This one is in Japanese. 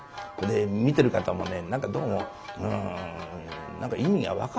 見てる方もね何かどうも何か意味が分かんなかったという。